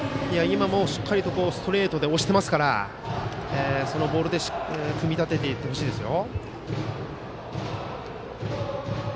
しっかりストレートで押していますからそのボールで組み立てていってほしいですね。